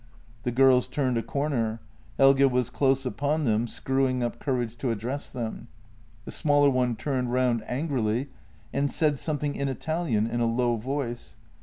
The girls turned a corner; Helge was close upon them, screw ing up courage to address them. The smaller one turned round angrily and said something in Italian in a low voice.